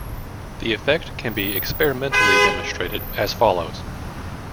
The effect can be experimentally demonstrated as follows.